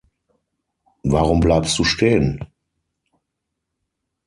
Warum bleibst du stehen?